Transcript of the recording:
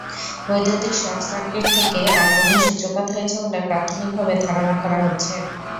বৈদ্যুতিক শটসার্কিট থেকে আগুনের সূত্রপাত হয়েছে বলে প্রাথমিকভাবে ধারণা করা হচ্ছে।